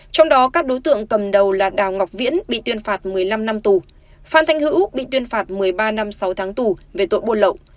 trong đó các đối tượng cầm đầu là đào ngọc viễn bị tuyên phạt một mươi năm năm tù phan thanh hữu bị tuyên phạt một mươi ba năm sáu tháng tù về tội buôn lậu